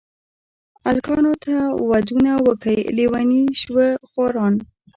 الکانو ته ودونه وکئ لېوني شوه خواران.